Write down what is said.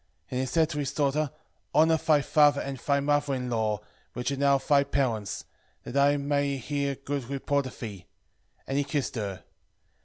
10:12 And he said to his daughter, Honour thy father and thy mother in law, which are now thy parents, that I may hear good report of thee. And he kissed her.